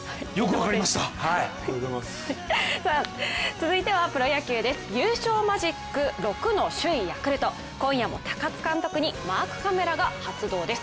続いてはプロ野球です優勝マジック６の首位・ヤクルト今夜も高津監督にマークカメラが発動です。